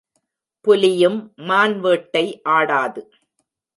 புலியும் மான் வேட்டை ஆடாது.